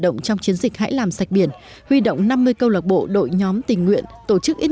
động trong chiến dịch hãy làm sạch biển huy động năm mươi câu lạc bộ đội nhóm tình nguyện tổ chức ít